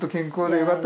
よかった。